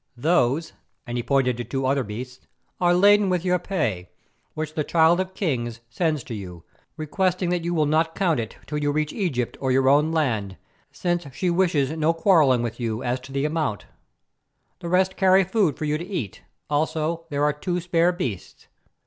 Those," and he pointed to two other beasts, "are laden with your pay, which the Child of Kings sends to you, requesting that you will not count it till you reach Egypt or your own land, since she wishes no quarrelling with you as to the amount. The rest carry food for you to eat; also, there are two spare beasts.